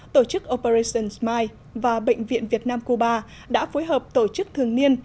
tổ chức operation smile và bệnh viện việt nam cuba đã phối hợp tổ chức thường niên